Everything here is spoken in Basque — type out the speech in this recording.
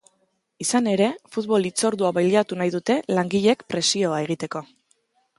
Izan ere, futbol hitzordua baliatu nahi dute langileek presioa egiteko.